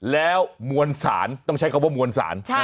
แล้วมวลสารต้องใช้คำว่ามวลสาร